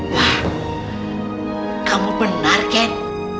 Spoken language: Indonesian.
wah kamu benar ken